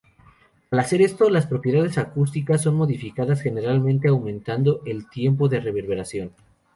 Al hacer esto, las propiedades acústicas son modificadas, generalmente aumentando el tiempo de reverberación.